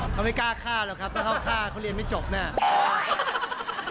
เขาไม่กล้าฆ่าหรอกครับเพราะเขาฆ่าเขาเรียนไม่จบเนี่ย